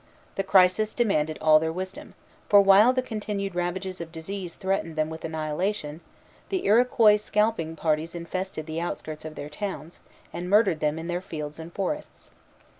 The crisis demanded all their wisdom; for, while the continued ravages of disease threatened them with annihilation, the Iroquois scalping parties infested the outskirts of their towns, and murdered them in their fields and forests.